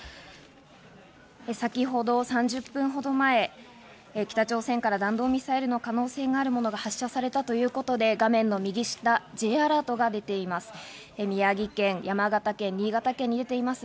先ほど３０分ほど前、北朝鮮から弾道ミサイルの可能性があるものが発射されたということで、画面の右下、Ｊアラートが出ています。